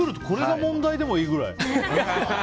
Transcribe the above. これが問題でもいいくらい。